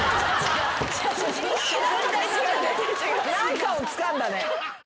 何かをつかんだね。